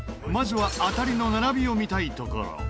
まずは当たりの並びを見たいところ。